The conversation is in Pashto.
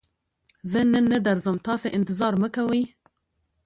زه نن نه درځم، تاسې انتظار مکوئ!